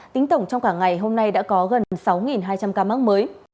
tính tổng trong cả ngày hôm nay đã có gần sáu hai trăm linh ca mắc mới